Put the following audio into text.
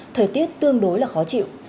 thời tiết tương đối là khó chịu